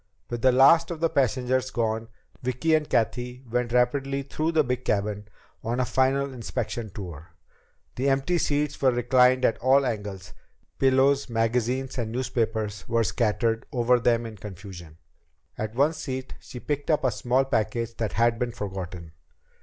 With the last of the passengers gone, Vicki and Cathy went rapidly through the big cabin on a final inspection tour. The empty seats were reclined at all angles; pillows, magazines, and newspapers were scattered over them in confusion. At one seat she picked up a small package that had been forgotten.